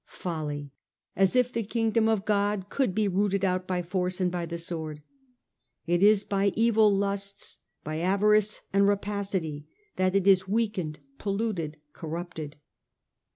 Folly ! as if the Kingdom of God could be rooted out by force and by the sword ; it is by evil lusts, by avarice and rapacity, that it is weakened, polluted, corrupted.